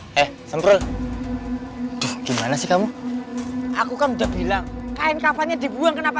eh eh semprot gimana sih kamu aku kan udah bilang kain kafannya dibuang kenapa